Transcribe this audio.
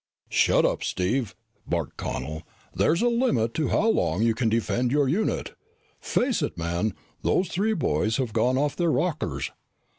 "Shut up, Steve!" barked Connel. "There's a limit to how long you can defend your unit. Face it, man, those three boys have gone off their rockers.